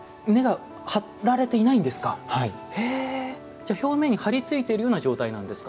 じゃあ表面に張りついているような状態なんですか。